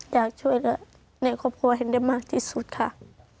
อยากช่วยเหลือในครอบครัวเห็นได้มากที่สุดค่ะ